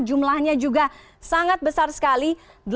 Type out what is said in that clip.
jumlahnya juga sangat besar sekali